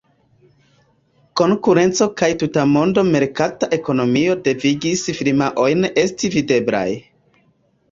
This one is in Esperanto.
Konkurenco kaj tutmonda merkata ekonomio devigis firmaojn esti videblaj.